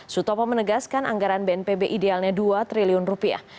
sutopo menegaskan anggaran bnpb idealnya dua triliun rupiah